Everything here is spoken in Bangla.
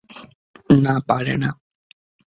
না, পারে না।